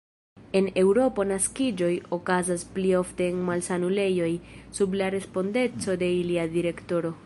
En Eŭropo naskiĝoj okazas pli ofte en malsanulejoj sub la respondeco de ilia direktoro.